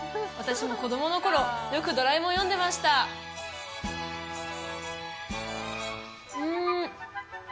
私も子供の頃よく「ドラえもん」読んでましたうん